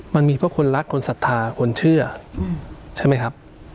มันมีเพราะคนรักคนศรัทธาคนเชื่อใช่ไหมครับ